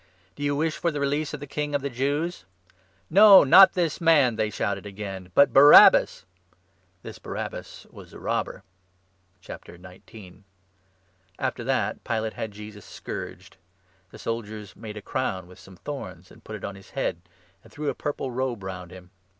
Do you wish for the release of the King of the Jews ?"" No, not this man," they shouted again, " but Barabbas !" 40 This Barabbas was a robber. After that, Pilate had Jesus scourged. The soldiers made a 1,2 crown with some thorns and put it on his head and threw a purple robe round him.